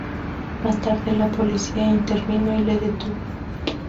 Más tarde la policía intervino y le detuvo.